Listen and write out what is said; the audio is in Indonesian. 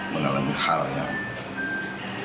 mengalami hal yang